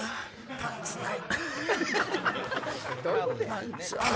パンツない！